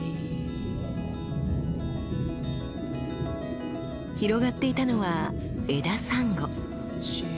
広がっていたのは枝サンゴ。